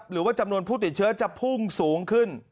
หรือว่าจำนวนผู้ติดเชื้อจะพุ่งสูงขึ้น